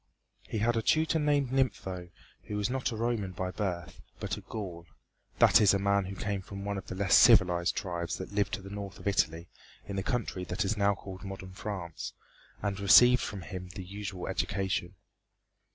He had a tutor named Gnipho who was not a Roman by birth, but a Gaul that is a man who came from one of the less civilized tribes that lived to the north of Italy in the country that is now called modern France and received from him the usual education.